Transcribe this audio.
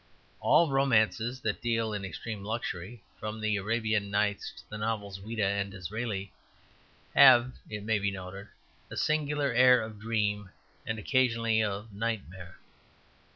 All romances that deal in extreme luxury, from the "Arabian Nights" to the novels of Ouida and Disraeli, have, it may be noted, a singular air of dream and occasionally of nightmare.